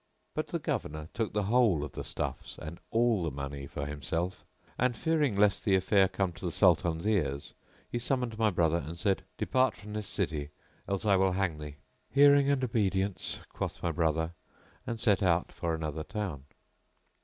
"[FN#682] But the Governor took the whole of the stuffs and all the money for himself; and, fearing lest the affair come to the Sultan's ears, he summoned my brother and said, "Depart from this city, else I will hang thee." "Hearing and obedience" quoth my brother and set out for another town.